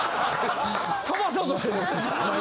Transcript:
飛ばそうとしてんの？